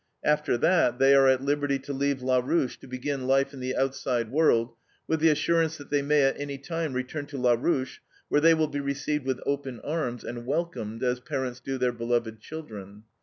After that they are at liberty to leave LA RUCHE to begin life in the outside world, with the assurance that they may at any time return to LA RUCHE, where they will be received with open arms and welcomed as parents do their beloved children.